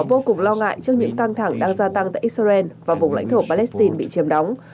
vô cùng lo ngại trước những căng thẳng đang gia tăng tại israel và vùng lãnh thổ palestine bị chiếm đóng